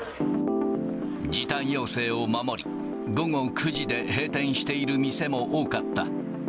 時短要請を守り、午後９時で閉店している店も多かった。